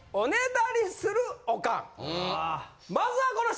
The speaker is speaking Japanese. まずはこの人！